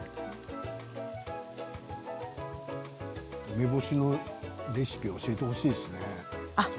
梅干しのレシピ教えてほしいですね。